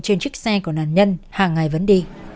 trên chiếc xe của nạn nhân hàng ngày vẫn đi